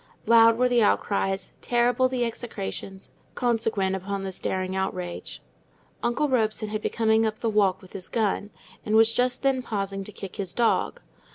Loud were the outcries, terrible the execrations, consequent upon this daring outrage; uncle Robson had been coming up the walk with his gun, and was just then pausing to kick his dog.